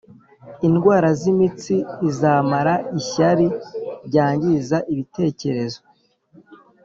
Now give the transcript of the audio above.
indwara zimitsi izamara ishyari ryangiza ibitekerezo